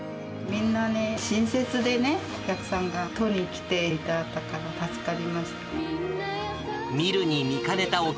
みんな親切でね、お客さんが取り来ていただいたから、助かりました。